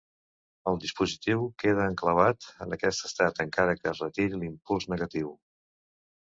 El dispositiu queda enclavat en aquest estat, encara que es retiri l'impuls negatiu.